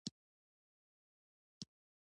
له استاد سره جفا ده